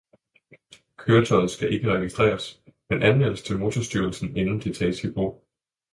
Køretøjet skal ikke registreres, men anmeldes til Motorstyrelsen, inden det tages i brug